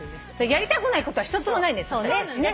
やりたくないことは１つもないんです私たちね。